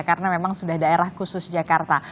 karena memang sudah daerah khusus jakarta